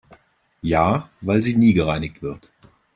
Ja, weil sie nie gereinigt wird.